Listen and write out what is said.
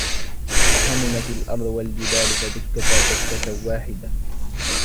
وَحُمِلَتِ الْأَرْضُ وَالْجِبَالُ فَدُكَّتَا دَكَّةً وَاحِدَةً